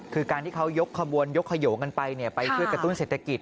คือการที่เขายกขบวนยกขยงกันไปไปช่วยกระตุ้นเศรษฐกิจ